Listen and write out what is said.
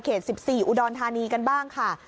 ๑๔อุดรธานีกันบ้างค่ะ